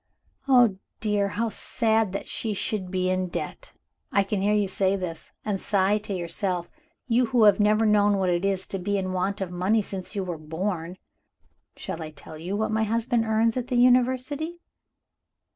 "'Oh, dear, how sad that she should be in debt!' I can hear you say this, and sigh to yourself you who have never known what it was to be in want of money since you were born. Shall I tell you what my husband earns at the University?